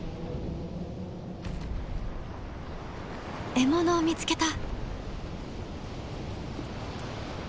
獲物を見つけた。